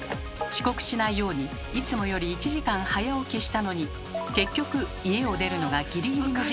遅刻しないようにいつもより１時間早起きしたのに結局家を出るのがギリギリの時間になってしまう。